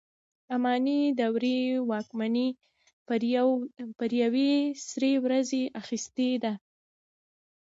اماني دورې واکمني پر یوې سرې ورځې اخیستې ده.